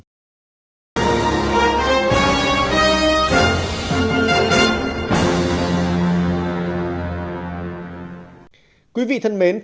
cục an toàn thông tin của người dùng trên mạng xã hội